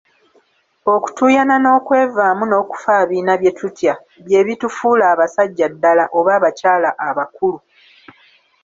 Okutuuyana n'okwevaamu n'okufaabiina bye tutya, bye bitufuula abasajja ddala oba abakyala abakulu.